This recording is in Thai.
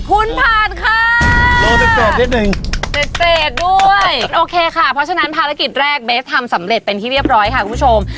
คุณผ่านค่ะโลเป็ดนิดนึงเด็ดด้วยคุณโอเคค่ะเพราะฉะนั้นภารกิจแรกเบสทำสำเร็จเป็นที่เรียบร้อยค่ะคุณผู้ชม